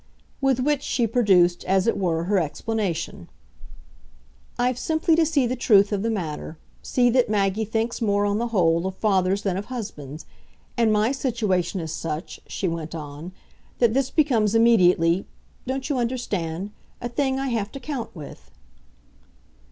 With which she produced, as it were, her explanation. "I've simply to see the truth of the matter see that Maggie thinks more, on the whole, of fathers than of husbands. And my situation is such," she went on, "that this becomes immediately, don't you understand? a thing I have to count with."